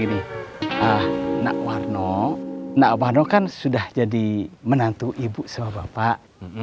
nak warno kan sudah jadi menantu ibu sama bapak